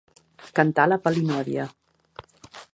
Cantar la palinòdia.